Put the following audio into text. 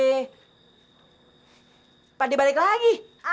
iman kenapa lagi balik lagi